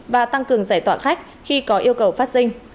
và tăng cường giải tỏa khách khi có yêu cầu phát sinh